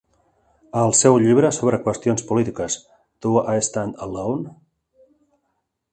Al seu llibre sobre qüestions polítiques, "Do I Stand Alone?